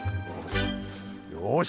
よし！